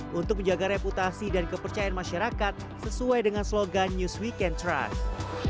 dan menjaga kredibilitas dan kepercayaan masyarakat sesuai dengan slogan news weekend trust